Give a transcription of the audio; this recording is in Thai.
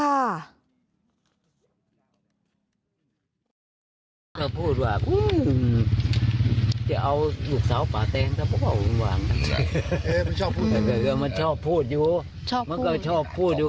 ไม่รู้เหมือนกันเพราะเราพ่อเขาก็เราไม่เคยเห็นหน้าเห็นอะไร